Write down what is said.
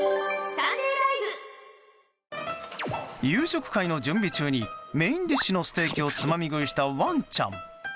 夕食会の準備中にメインディッシュのステーキをつまみ食いしたワンちゃん。